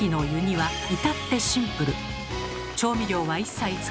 はい。